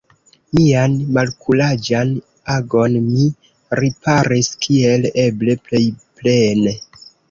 Mian malkuraĝan agon mi riparis kiel eble plej plene.